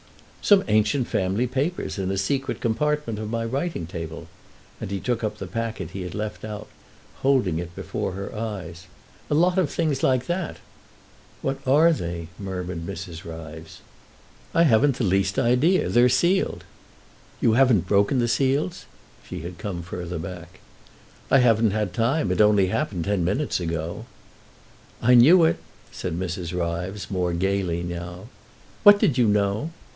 "Some ancient family papers, in a secret compartment of my writing table." And he took up the packet he had left out, holding it before her eyes. "A lot of other things like that." "What are they?" murmured Mrs. Ryves. "I haven't the least idea. They're sealed." "You haven't broken the seals?" She had come further back. "I haven't had time; it only happened ten minutes ago." "I knew it," said Mrs. Ryves, more gaily now. "What did you know?"